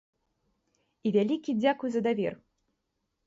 І вялікі дзякуй за давер!